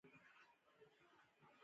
پیسې په توکو بدلېږي او بڼه یې اوړي